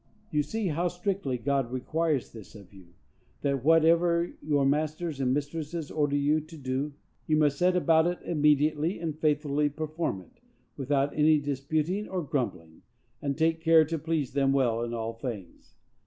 You see how strictly God requires this of you, that whatever your masters and mistresses order you to do, you must set about it immediately, and faithfully perform it, without any disputing or grumbling, and take care to please them well in all things.